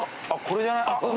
あっこれじゃない？